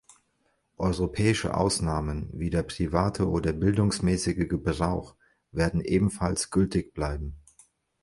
Europäische Ausnahmen, wie der private oder bildungsmäßige Gebrauch, werden ebenfalls gültig bleiben.